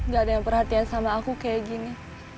gak ada yang perhatian sama aku kayak gini